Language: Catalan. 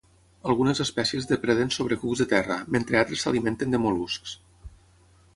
Algunes espècies depreden sobre cucs de terra, mentre altres s'alimenten de mol·luscs.